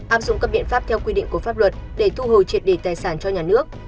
áp dụng các biện pháp theo quy định của pháp luật để thu hồi triệt đề tài sản cho nhà nước